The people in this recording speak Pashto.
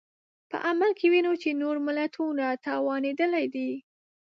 په عمل کې وینو چې نور ملتونه توانېدلي دي.